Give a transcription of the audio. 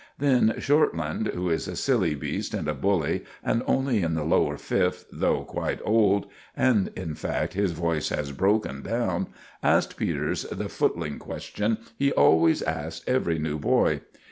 Then Shortland, who is a silly beast and a bully, and only in the lower fifth, though quite old—and, in fact, his voice has broken down—asked Peters the footling question he always asks every new boy.